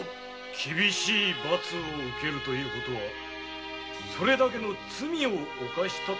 厳しい罰を受けるのはそれだけの罪を犯したのだ。